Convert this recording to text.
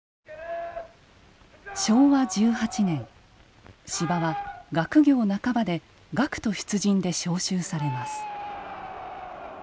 昭和１８年司馬は学業半ばで学徒出陣で召集されます。